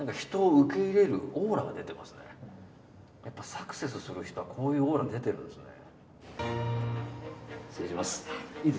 サクセスする人はこういうオーラ出てるんですね。